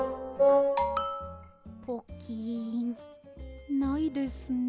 ポキンないですね。